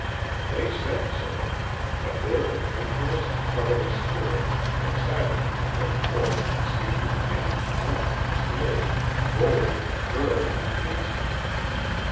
"They said so, but their adventurous and covetous spirit excited them to go forth and seek lands, women, slaves, gold, myrrh, and incense.